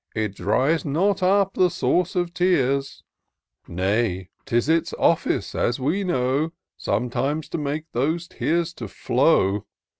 It dries not up the source of tears ; Nay, 'tis its office, as we know. Sometimes to make those tears to flow.